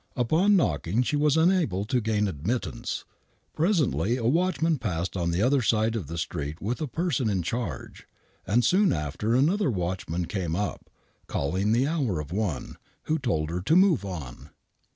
Upon knocking she was unable to gain admittance. Presently a watchman passed on the other side of the street with a person in charge, and soon after another watchman came up,, calling the hour of one, who told her to move on.